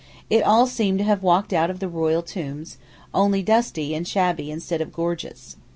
It all seemed to have walked out of the royal tombs, only dusty and shabby instead of gorgeous.